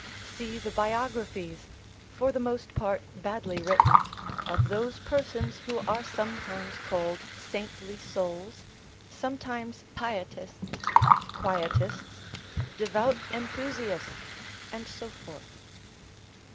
See the biographies, for the most part badly written, of those persons who are sometimes called saintly souls, sometimes pietists, quietists, devout enthusiasts, and so forth.